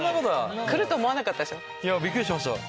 いやびっくりしました。